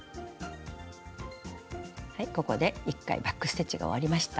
ここで一回バック・ステッチが終わりました。